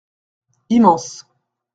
Immense.